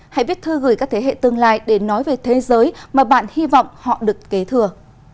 hãy viết thư gửi các thế hệ tương lai để nói về thế giới mà bạn hy vọng họ được kế thừa